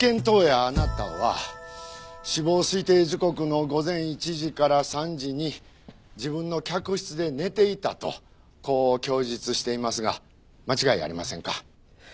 当夜あなたは死亡推定時刻の午前１時から３時に自分の客室で寝ていたとこう供述していますが間違いありませんか？